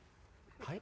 はい？